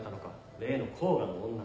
例の甲賀の女。